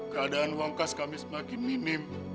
keadaan uang kas kami semakin minim